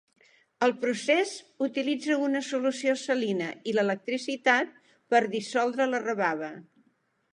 El procés utilitza una solució salina i l'electricitat per dissoldre la rebava.